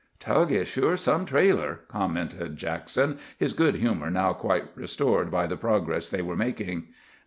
"Tug is sure some trailer," commented Jackson, his good humour now quite restored by the progress they were making.